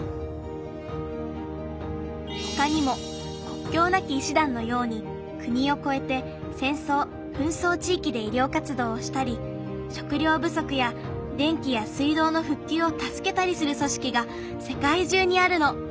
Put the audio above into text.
ほかにも国境なき医師団のように国をこえて戦争・紛争地域で医りょう活動をしたり食料ぶそくや電気や水道のふっきゅうを助けたりするそしきが世界中にあるの。